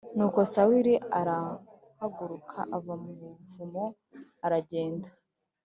Nuko Sawuli arahaguruka ava mu buvumo, aragenda.